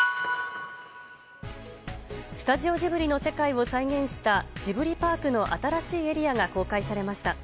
スタジオジブリの世界を再現したジブリパークの新しいエリアが公開されました。